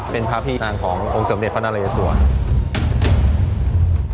เป็นพระพินางขององค์สมเด็จพระนารัยสวรรค์